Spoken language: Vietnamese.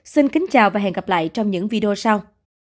xin kính chào và hẹn gặp lại trong những video sau